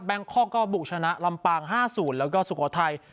แต่แบงค์คล็อกก็บุคชนะลำปลางฮ้าสูญแล้วก็สุโกทัย